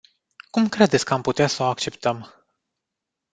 Cum credeți că am putea să o acceptăm?